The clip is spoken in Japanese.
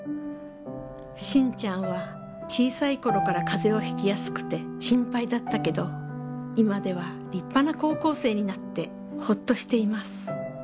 「慎ちゃんは小さい頃から風邪をひきやすくて心配だったけど今では立派な高校生になってホッとしています。